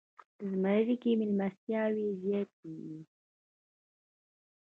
زمری کې میلمستیاوې زیاتې وي.